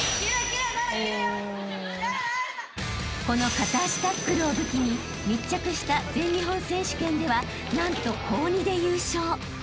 ［この片足タックルを武器に密着した全日本選手権では何と高２で優勝］